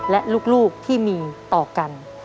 และลูกที่มีต่อกัน